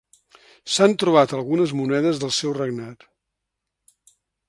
S'han trobat algunes monedes del seu regnat.